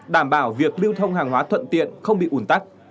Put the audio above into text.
đảm bảo việc lưu thông hàng hóa thuận tiện không bị ủn tắc